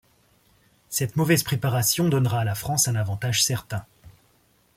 Cette mauvaise préparation donnera à la France un avantage certain.